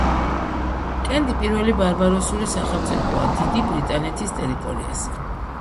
კენტი პირველი ბარბაროსული სახელმწიფოა დიდი ბრიტანეთის ტერიტორიაზე.